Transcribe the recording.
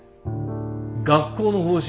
学校の方針